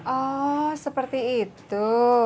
oh seperti itu